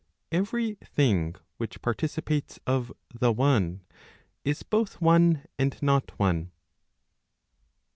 Every thing which participates of the one , is both one and not one.